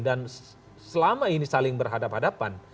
dan selama ini saling berhadapan hadapan